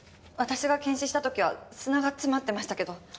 私が検視したときは砂が詰まってましたけど。